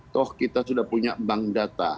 toh kita sudah punya bank data